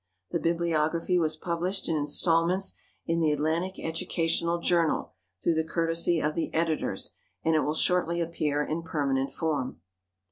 The Bibliography was published in instalments in the "Atlantic Educational Journal," through the courtesy of the editors, and it will shortly appear in permanent form.